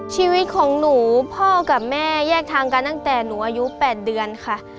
ชีวิตของหนูพ่อกับแม่แยกทางกันตั้งแต่หนูอายุ๘เดือนค่ะ